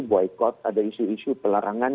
boykot ada isu isu pelarangan